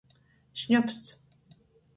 Šņopsts.